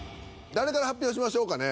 誰から発表しましょうかね。